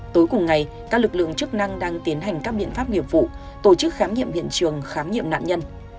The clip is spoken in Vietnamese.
tối cùng ngày các lực lượng chức năng đang tiến hành các biện pháp nghiệp vụ tổ chức khám nghiệm hiện trường khám nghiệm nạn nhân